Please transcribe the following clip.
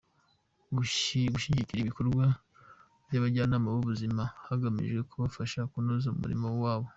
Gushyigikira ibikorwa by’Abajyanama b’ubuzima hagamijwe kubafasha kunoza umurimo wabo;.